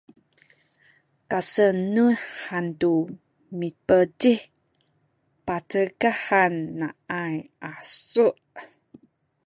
kasenun hantu mipecih pacikah han ngaay asu’